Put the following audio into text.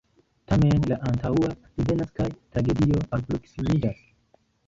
Tamen la antaŭa revenas kaj tragedio alproksimiĝas.